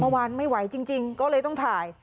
เมื่อวานไม่ไหวจริงก็เลยต้องถ่าย